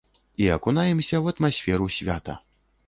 І акунаемся ў атмасферу свята.